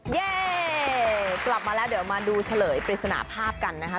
เย่กลับมาแล้วเดี๋ยวมาดูเฉลยปริศนาภาพกันนะคะ